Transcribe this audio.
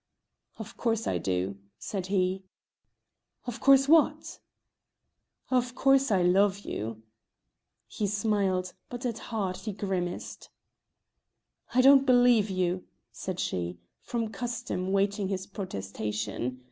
"Of course I do," said he. "Of course what?" "Of course I love you." He smiled, but at heart he grimaced. "I don't believe you," said she, from custom waiting his protestation.